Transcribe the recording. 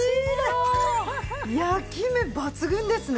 焼き目抜群ですね。